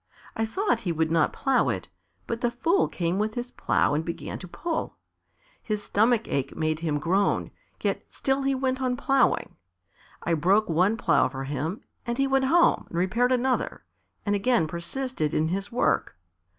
I thought he would not plough it, but the fool came with his plough and began to pull. His stomach ache made him groan, yet still he went on ploughing. I broke one plough for him and he went home and repaired another, and again persisted in his work.